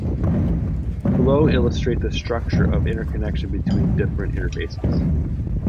Below illustrate the structure of interconnection between different interfaces.